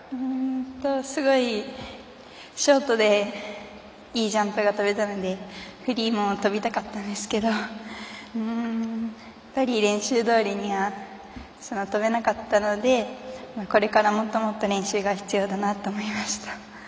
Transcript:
すごいショートでいいジャンプが跳べたのでフリーも跳びたかったんですけど練習どおりには跳べなかったのでこれから、もっともっと練習が必要だなと思いました。